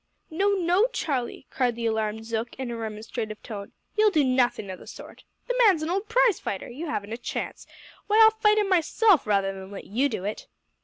"No, no, Charlie!" cried the alarmed Zook, in a remonstrative tone, "you'll do nothing of the sort. The man's a old prize fighter! You haven't a chance. Why, I'll fight him myself rather than let you do it."